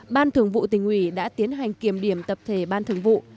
ban thường vụ tỉnh ủy đã tiến hành kiểm điểm tập thể ban thường vụ